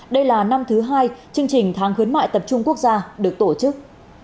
đây là năm thứ hai chương trình tháng khuyến mại tập trung quốc gia được tổ chức